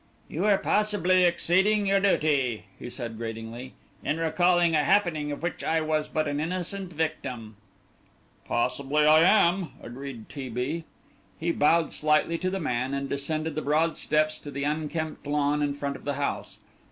"You are possibly exceeding your duty," he said, gratingly, "in recalling a happening of which I was but an innocent victim." "Possibly I am," agreed T. B. He bowed slightly to the man, and descended the broad steps to the unkempt lawn in front of the house.